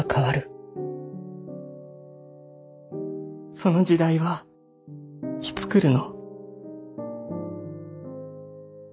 その時代はいつ来るの？